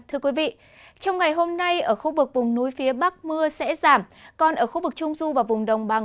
trong ngày hôm nay ở khu vực vùng núi phía bắc mưa sẽ giảm còn ở khu vực trung du và vùng đồng bằng